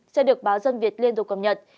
sẽ được báo dân việt liên tục cập nhật